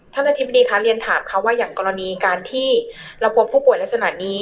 อธิบดีคะเรียนถามค่ะว่าอย่างกรณีการที่เราพบผู้ป่วยลักษณะนี้